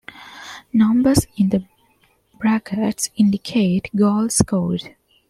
Numbers in brackets indicate goals scored.